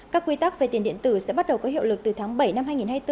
các quy tắc về tiền điện tử sẽ bắt đầu có hiệu lực từ tháng bảy năm hai nghìn hai mươi bốn